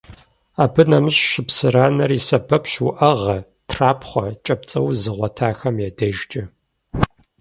Абы нэмыщӏ шыпсыранэр и сэбэпщ уӏэгъэ, трапхъуэ, кӏапцӏэуз зыгъуэтахэм я дежкӏэ.